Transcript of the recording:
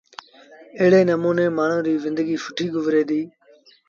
ايڙي نموٚني مآڻهوٚٚݩ ريٚ زندگيٚ سُٺيٚ گزري ديٚ۔